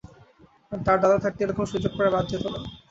তার দাদা থাকতে এরকম সুযোগ প্রায় বাদ যেত না।